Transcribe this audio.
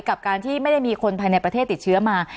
กับการที่ไม่ได้มีคนภายในประเทศติดเชื้อมา